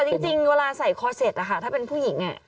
แต่จริงเวลาใส่คอร์เซ็ตอะค่ะถ้าเป็นผู้หญิงอะ